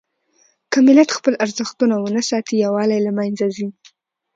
که ملت خپل ارزښتونه ونه ساتي، يووالی له منځه ځي.